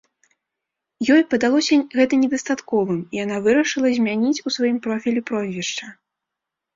Ёй падалося гэта недастатковым, і яна вырашыла змяніць у сваім профілі прозвішча.